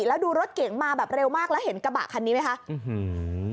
แล้วดูรถเก๋งมาแบบเร็วมากแล้วเห็นกระบะคันนี้ไหมคะอื้อหือ